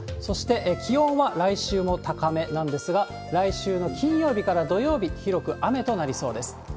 そして、気温は来週も高めなんですが、来週の金曜日から土曜日、広く雨となりそうです。